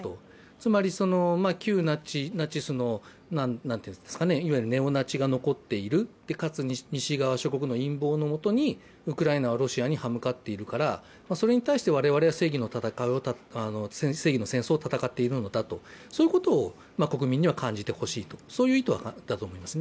つまり旧ナチスのネオナチが残っている、かつ、西側諸国の陰謀のもとにウクライナはロシアに刃向かっているからそれに対して我々は正義の戦争を戦っているのだと、そういうことを国民には感じてほしいという意図だと思います。